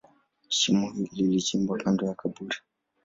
Shimo lilichimbwa kando ya kaburi.